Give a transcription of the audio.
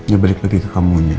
ya balik lagi ke kamu nya